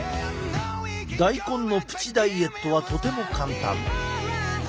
大根のプチダイエットはとても簡単。